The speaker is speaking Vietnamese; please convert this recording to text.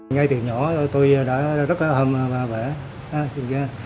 ngay từ nhỏ tôi đã rất hâm vẽ